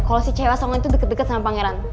kalo si cewek asongan itu deket deket sama pangeran